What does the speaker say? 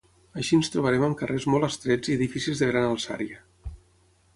Així ens trobarem amb carrers molt estrets i edificis de gran alçària.